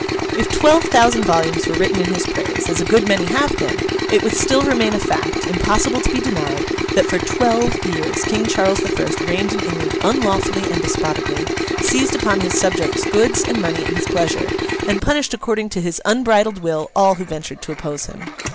If twelve thousand volumes were written in his praise (as a good many have been) it would still remain a fact, impossible to be denied, that for twelve years King Charles the First reigned in England unlawfully and despotically, seized upon his subjects' goods and money at his pleasure, and punished according to his unbridled will all who ventured to oppose him.